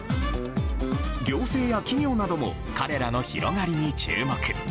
行政や企業なども彼らの広がりに注目。